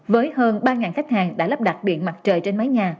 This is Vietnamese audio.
với hơn ba khách hàng đã lắp đặt điện mặt trời trên mái nhà